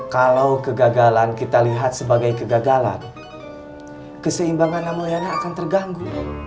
kalau kegagalan kita lihat sebagai kegagalan keseimbangan yang muliana akan terganggu